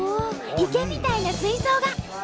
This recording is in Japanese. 池みたいな水槽が！